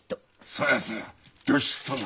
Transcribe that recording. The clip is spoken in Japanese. そやそやどしっとな。